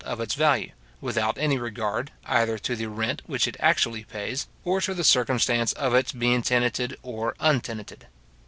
of its value, without any regard, either to the rent which it actually pays, or to the circumstance of its being tenanted or untenanted.